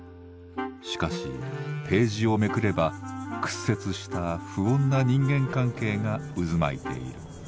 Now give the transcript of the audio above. しかしページをめくれば屈折した不穏な人間関係が渦巻いている。